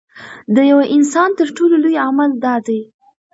د یوه انسان تر ټولو لوی عمل دا دی.